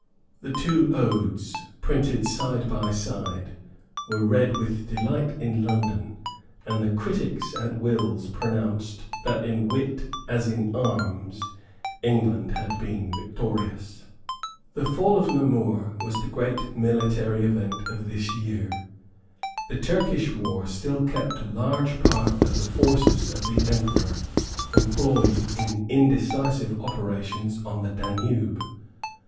The two odes, printed side by side, were read with delight in London; and the critics at Will's pronounced that, in wit as in arms, England had been victorious. The fall of Namur was the great military event of this year. The Turkish war still kept a large part of the forces of the Emperor employed in indecisive operations on the Danube.